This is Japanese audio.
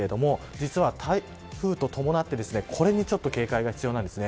実は、台風と伴ってこれに警戒が必要です。